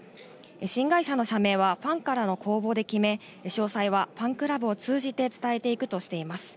新会社の社名はファンからの公募で決め、詳細はファンクラブを通じて伝えていくとしています。